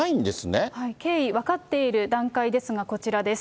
経緯、分かっている段階ですが、こちらです。